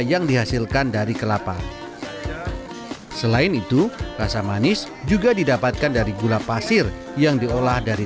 yang dihasilkan dari kelapa selain itu rasa manis juga didapatkan dari gula pasir yang diolah dari